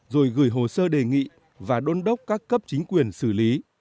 rồi gửi hồ sơ đề nghị và đôn đốc các cấp chính quyền xử lý